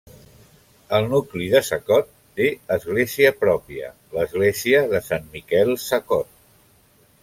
El nucli de Sacot té església pròpia: l'Església de Sant Miquel Sacot.